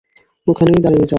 ওখানেই দাঁড়িয়ে যাও!